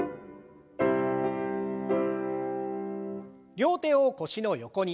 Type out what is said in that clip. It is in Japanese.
両手を腰の横に。